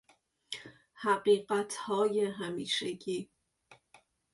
حقیقتهای همیشگی